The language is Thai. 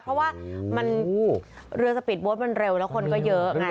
เพราะว่าเรือสปีดโบ๊ทมันเร็วแล้วคนก็เยอะไง